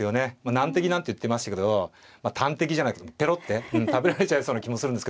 難敵なんて言ってましたけどタンテキじゃないけどペロって食べられちゃいそうな気もするんですけど。